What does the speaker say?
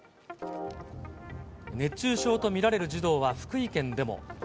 熱中症と見られる児童は福井県でも。